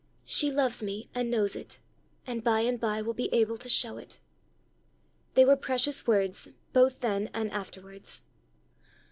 She loves me and knows it and by and by will be able to show it!'" They were precious words both then and afterwards!